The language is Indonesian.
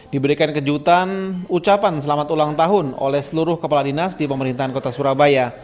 diberikan kejutan ucapan selamat ulang tahun oleh seluruh kepala dinas di pemerintahan kota surabaya